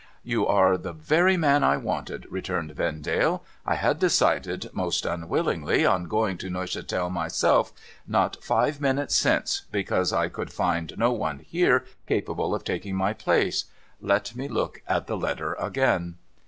' You are the very man I wanted,' returned Vendale. ' I had decided, most unwillingly, on going to Neuchatel myself, not five minutes since, because I could find no one here capable of taking my place. Let me look at the letter again.'